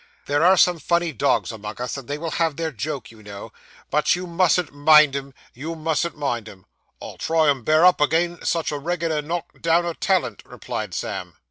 'There are some funny dogs among us, and they will have their joke, you know; but you mustn't mind 'em, you mustn't mind 'em.' 'I'll try and bear up agin such a reg'lar knock down o' talent,' replied Sam.